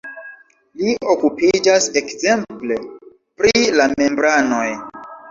Li okupiĝas ekzemple pri la membranoj.